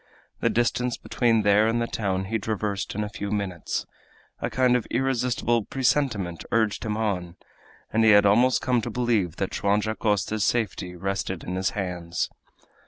The distance between there and the town he traversed in a few minutes. A kind of irresistible presentiment urged him on, and he had almost come to believe that Joam Dacosta's safety rested in his hands.